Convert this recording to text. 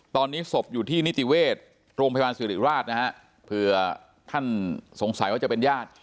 ตอนนี้ศพอยู่ที่นิติเวชโรงพยาบาลสิริราชนะฮะเผื่อท่านสงสัยว่าจะเป็นญาติ